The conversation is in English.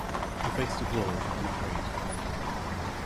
He faced the world unafraid.